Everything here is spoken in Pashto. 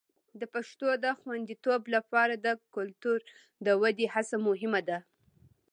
د پښتو د خوندیتوب لپاره د کلتور د ودې هڅه مهمه ده.